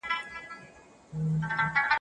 موږ د انار د اوبو په څښلو بوخت یو.